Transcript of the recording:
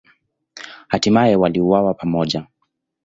Hatimaye waliuawa pamoja.